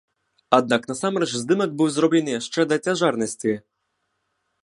Аднак насамрэч здымак быў зроблены яшчэ да цяжарнасці.